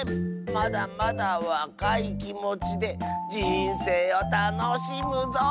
まだまだわかいきもちでじんせいをたのしむぞ！